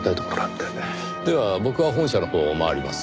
では僕は本社のほうを回ります。